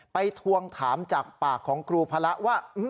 ทวงถามจากปากของครูพระว่า